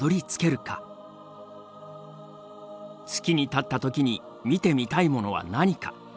月に立った時に見てみたいものは何か。